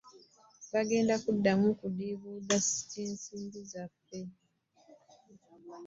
Bagenda kuddamu kudiibuuda nsimbi zaffe.